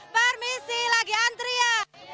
permisi lagi antri ya